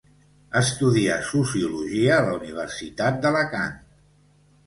Estudià sociologia a la Universitat d'Alacant.